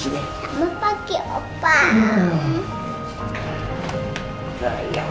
selamat pagi opah